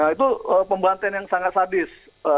itu pembantaian yang sangat sadis